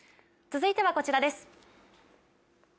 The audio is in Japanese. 続いてはこちらです。